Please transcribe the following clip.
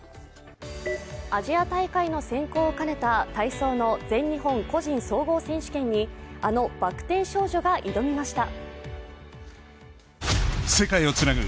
アジア大会の選考を兼ねた体操の全日本個人総合選手権にあのバク転少女が挑みました。